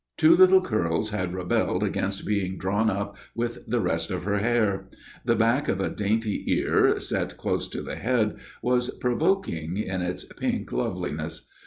Two little curls had rebelled against being drawn up with the rest of her hair. The back of a dainty ear, set close to the head, was provoking in its pink loveliness.